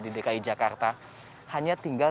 di dki jakarta hanya tinggal